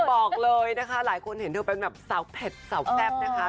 บอกเลยนะคะหลายคนเห็นเธอเป็นแบบสาวเผ็ดสาวแซ่บนะคะ